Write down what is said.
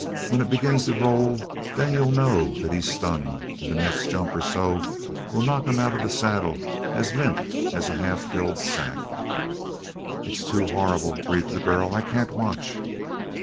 When it begins to roll then you know that he's stunned and the next jump or so will knock him out of the saddle as limp as a half filled sack." "It's too horrible!" breathed the girl. "I can't watch!"